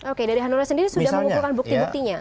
oke dari hanura sendiri sudah mengumpulkan bukti buktinya